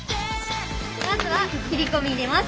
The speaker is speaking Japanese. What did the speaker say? まずは切り込み入れます。